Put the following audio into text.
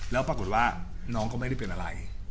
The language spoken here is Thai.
แล้วปรากฏว่าน้องก็ไม่ได้เป็นอะไร